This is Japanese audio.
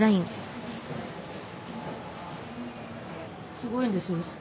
すごいんですよ。